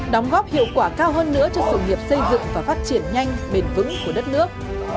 đóng góp hiệu quả cao hơn nữa cho sự nghiệp xây dựng và phát triển nhanh bền vững của đất nước